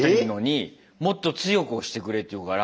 「もっと強く押してくれ」って言うから。